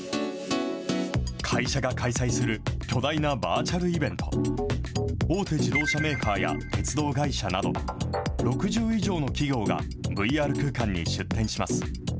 会社が開催する巨大なバーチャルイベント、大手自動車メーカーや鉄道会社など、６０以上の企業がＶＲ空間に出展します。